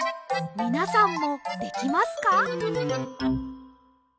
みなさんもできますか？